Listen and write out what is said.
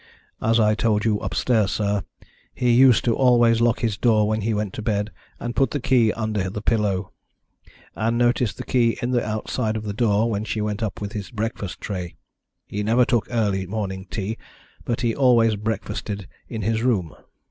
As I told you upstairs, sir, he used to always lock his door when he went to bed and put the key under the pillow. Ann noticed the key in the outside of the door when she went up with his breakfast tray he never took early morning tea but he always breakfasted in his room.